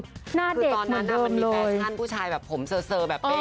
หน้าเด็กเหมือนเดิมเลยคือตอนนั้นมันมีแปลชั่นผู้ชายแบบผมเสอแบบเป๊